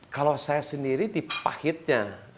kalau saya sendiri di pahitnya